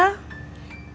itu mata dia